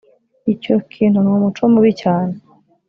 icyo kintu ni umuco mubi cyane